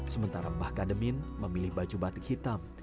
sementara mbah kademin memilih baju batik hitam